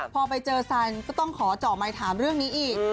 พอไปเจอซานก็ต้องขอเจาะไมค์ถามเรื่องนี้อีก